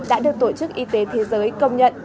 đã được tổ chức y tế thế giới công nhận